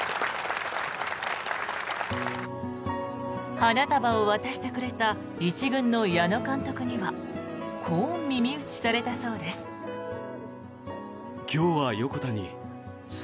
花束を渡してくれた１軍の矢野監督にはこう耳打ちされたそうです。